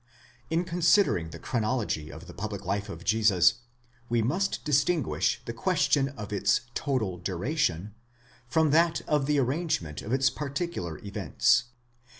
In considering the chronology of the public life of Jesus, we must distinguish the question of its total duration, from that of the arrangement of its par ticular events.